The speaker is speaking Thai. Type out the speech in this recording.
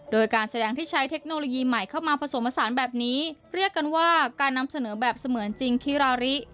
โดยการแสดงที่ใช้เทคโนโลยีใหม่เข้ามาผสมผสานแบบนี้เรียกกันว่าการนำเสนอแบบเสมือนจริงคิราริ